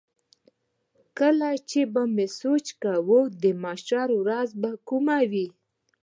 کله چې به مې سوچ کاوه د محشر ورځ به کومه وي.